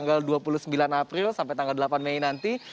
tanggal dua puluh sembilan april sampai tanggal delapan mei nanti